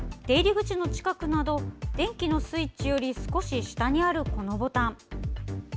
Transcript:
出入り口の近くなど電気のスイッチより少し下にあるこのボタン。